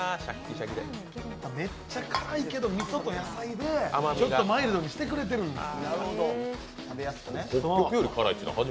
めっちゃ辛いけど、みそと野菜でちょっとマイルドにしてくれてるんです。